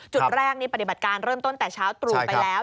จุดแรกนี่ปฏิบัติการเริ่มต้นแต่เช้าตรู่ไปแล้ว